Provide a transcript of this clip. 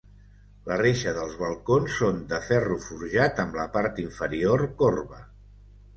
La reixa dels balcons són de ferro forjat amb la part inferior corba.